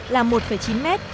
là một chín mét